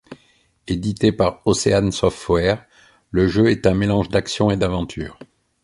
Édité par Ocean Software, le jeu est un mélange d'action et d'aventure.